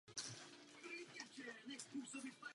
Její druhá ruka se opírá o oltář a svírá vějíř.